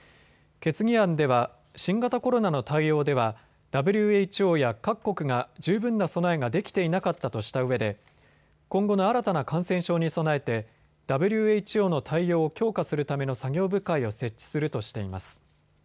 決議案では新型コロナの対応ではＷＨＯや各国が十分な備えができていなかったとしたうえで今後の新たな感染症に備えてＷＨＯの対応を強化するための作業部会を設置するとしています。